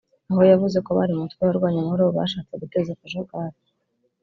aho yavuze ko bari mu mutwe w’abarwanya amahoro bashatse guteza akajagari